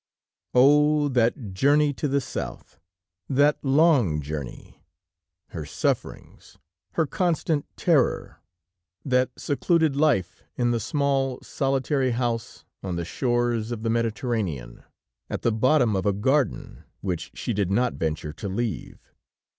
Oh! that journey to the South, that long journey, her sufferings, her constant terror, that secluded life in the small, solitary house on the shores of the Mediterranean, at the bottom of a garden, which she did not venture to leave.